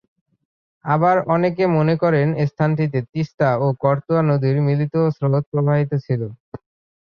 আবার অনেকে মনে করেন স্থানটিতে তিস্তা ও করতোয়া নদীর মিলিত স্রোত প্রবাহিত ছিল।